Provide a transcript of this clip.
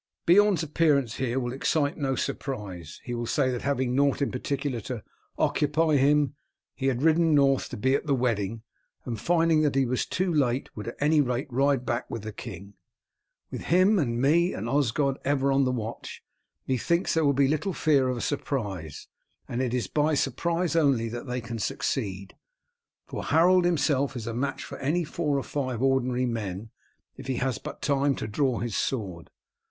Beorn's appearance here will excite no surprise. He will say that having nought in particular to occupy him he had ridden north to be at the wedding, and finding that he was too late, would at any rate ride back with the king. With him and me and Osgod ever on the watch, methinks there will be little fear of a surprise; and it is by surprise only that they can succeed, for Harold himself is a match for any four or five ordinary men if he has but time to draw his sword.